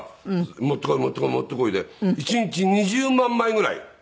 持ってこい持ってこい持ってこいで１日２０万枚ぐらい売れた月があったそうです。